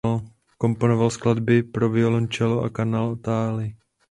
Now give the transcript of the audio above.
Komponoval skladby pro violoncello a kantáty.